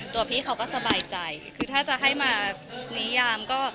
พี่เขาก็สบายใจคือถ้าจะให้มานิยามก็